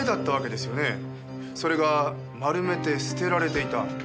それが丸めて捨てられていた。